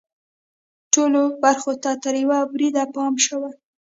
ټولو برخو ته تر یوه بریده پام شوی.